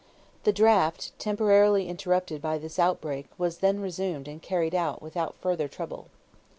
The draft temporarily interrupted by this outbreak was then resumed and carried out without further trouble.